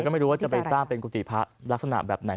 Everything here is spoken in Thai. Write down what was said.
ก็ไม่รู้ว่าจะไปสร้างเป็นกุฏิพระลักษณะแบบไหน